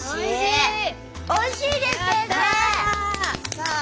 おいしいです先生！